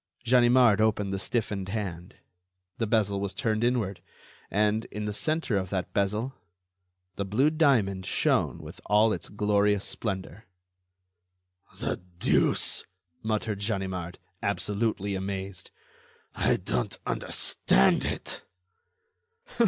Ganimard opened the stiffened hand. The bezel was turned inward, and, in the centre of that bezel, the blue diamond shone with all its glorious splendor. "The deuce!" muttered Ganimard, absolutely amazed, "I don't understand it."